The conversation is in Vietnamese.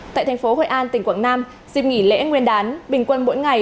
tại thành phố hội an tỉnh quảng nam dịp nghỉ lễ nguyên đán bình quân mỗi ngày